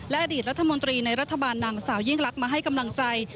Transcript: อดีตรัฐมนตรีในรัฐบาลนางสาวยิ่งลักษณ์มาให้กำลังใจ